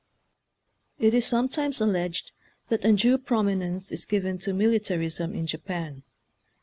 It is sometimes alleged that undue prominence is given to militarism in Japan.